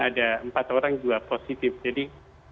ada empat orang juga positif jadi